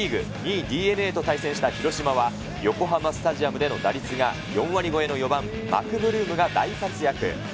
２位ＤｅＮＡと対戦した広島は、横浜スタジアムでの打率が４割超えの４番マクブルームが大活躍。